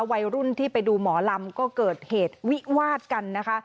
วัยรุ่นที่ไปดูหมอลำก็เกิดเหตุวิวาดกันนะคะ